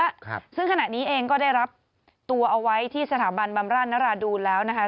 ครับซึ่งขณะนี้เองก็ได้รับตัวเอาไว้ที่สถาบันบำราชนราดูนแล้วนะคะ